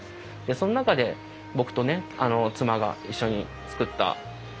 その中で僕とね妻が一緒につくった刀がね